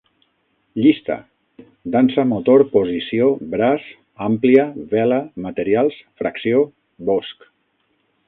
Llista: dansa, motor, posició, braç, àmplia, vela, materials, fracció, bosc